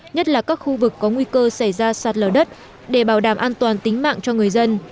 nhất là các khu vực có nguy cơ xảy ra sạt lở đất để bảo đảm an toàn tính mạng cho người dân